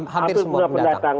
hampir semua pendatang